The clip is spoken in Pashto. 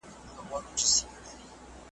مخ به مې تور شي ځه نور لاړشه شګیوال پرهیزه